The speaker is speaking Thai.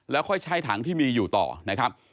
แล้วค่อยใช้ถังที่มีอยู่ต่อนะครับ